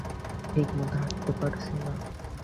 ঠিকমত হাঁটতে পারছি না।